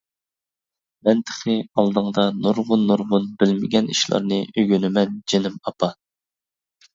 مەن تېخى ئالدىڭدا نۇرغۇن-نۇرغۇن بىلمىگەن ئىشلارنى ئۆگىنىمەن جېنىم ئاپا؟ !